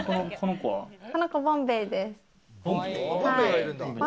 この子はボンベイです。